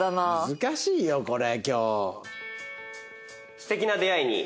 難しいよこれ今日。